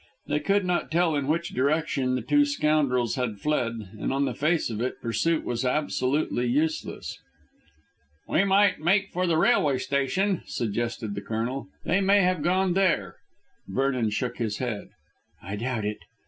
They could not tell in which direction the two scoundrels had fled, and on the face of it pursuit was absolutely useless. "We might make for the railway station," suggested the Colonel; "They may have gone there." Vernon shook his head. "I doubt it.